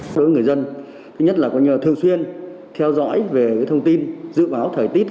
đối với người dân thứ nhất là thường xuyên theo dõi về thông tin dự báo thời tiết